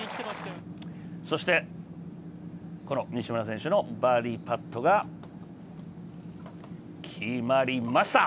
そして西村選手のバーディーパットが決まりました。